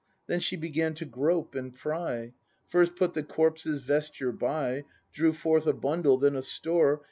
Then she began to grope and pry; First put the corpse's vesture by. Drew forth a bundle, then a store.